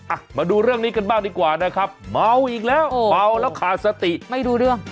อ่ะมาดูเรื่องนี้กันบ้างดีกว่านะครับเมาอีกแล้วเมาแล้วขาดสติไม่รู้เรื่อง